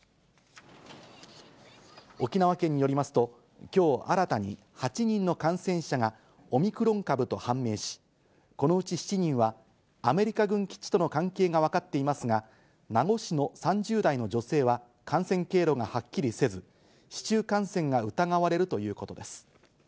沖縄県によりますと、きょう、新たに８人の感染者がオミクロン株と判明し、このうち７人はアメリカ軍基地との関係が分かっていますが、名護市の３０代の女性は、感染経路がはっきりせず、市中感染が疑われるということです。